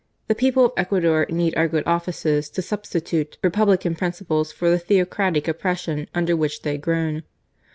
The people of Ecuador need our good offices to substitute Republican principles for the theocratic oppression under which they groan.